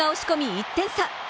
１点差！